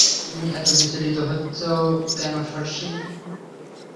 তুমি এত বিচলিত হচ্ছ কেন শশী?